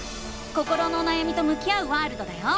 心のおなやみと向き合うワールドだよ！